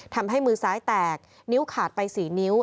ทำให้มือซ้ายแตกนิ้วขาดไป๔นิ้ว